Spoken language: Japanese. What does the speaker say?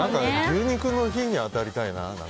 牛肉の日に当たりたいな。